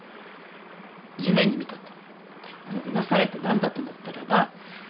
夢に見たと。